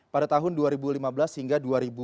pada tahun dua ribu lima belas hingga dua ribu dua puluh